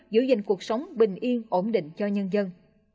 giữ gìn cuộc sống bình yên ổn định cho nhân dân